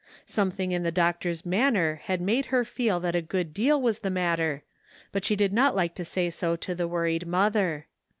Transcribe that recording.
Something in the doctor's manner had made her feel that a good deal was the matter, but she did not like to say so to the worried mother.